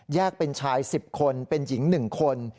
เป็นชาย๑๐คนเป็นหญิง๑คน